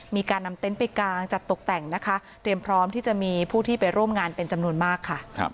มีการนำเต็นต์ไปกางจัดตกแต่งนะคะเตรียมพร้อมที่จะมีผู้ที่ไปร่วมงานเป็นจำนวนมากค่ะ